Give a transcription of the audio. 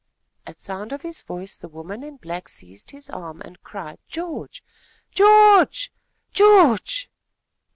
At sound of his voice, the woman in black seized his arm and cried: "George! George! George!"